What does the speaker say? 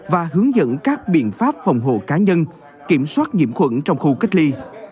và hướng dẫn các biện pháp phòng hộ cá nhân kiểm soát nhiễm khuẩn trong khu cách ly